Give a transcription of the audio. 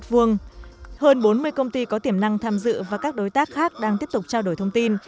hơn bốn mươi công ty có tiềm năng tham dự và các đối tác khác đang tiếp tục trao đổi thông tin